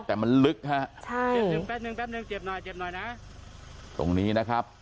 แต่มันลึกฮะใช่เจ็บหนึ่งแป๊บหนึ่งเจ็บหน่อยนะตรงนี้นะครับ